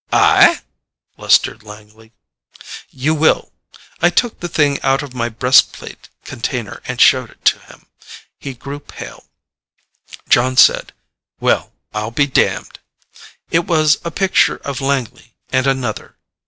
"I?" blustered Langley. "You will." I took the thing out of my breastplate container and showed it to him. He grew pale. Jon said, "Well, I'll be damned!" It was a picture of Langley and another.